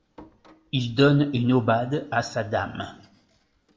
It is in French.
Il donne une aubade à sa dame.